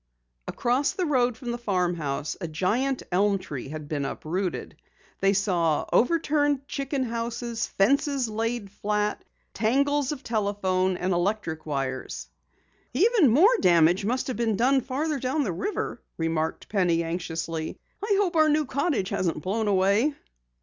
Across the road from the farmhouse a giant elm tree had been uprooted. They saw overturned chicken houses, fences laid flat, tangles of telephone and electric wires. "Even more damage must have been done farther down the river," remarked Penny anxiously. "I hope our new cottage hasn't blown away."